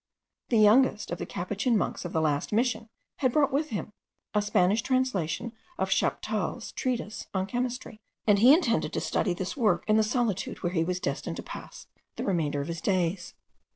The youngest of the capuchin monks of the last Mission had brought with him a Spanish translation of Chaptal's Treatise on Chemistry, and he intended to study this work in the solitude where he was destined to pass the remainder of his days.